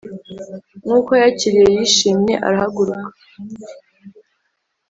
nkuko yakiriye, yishimye, arahaguruka,